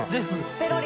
ペロリ。